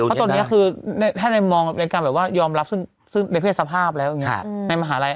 อบ๊วยตอนนี้คือแท่ในมองแบบการยอมรับซึ่งในเพศภาพแล้วอย่างงี้